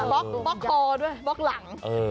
บล็อกคอด้วยบล็อกหลัง